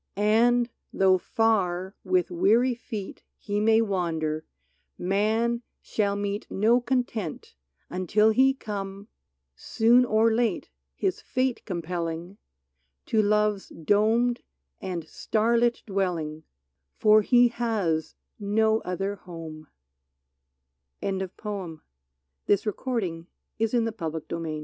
And though far, with weary feet, He may wander, Man shall meet No content until he come — Soon or late, his fate compelling — To Love's domed and star lit dwelling, For he has no other home, 78 "SO WAR HAS BEGUN" Oo war has begun, they say :